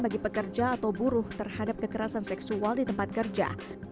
bagi pekerja atau buruh terhadap kekerasan seksual di tempat kerja